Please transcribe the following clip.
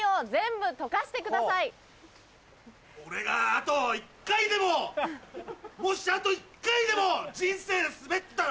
俺があと１回でももしあと１回でも人生スベったら。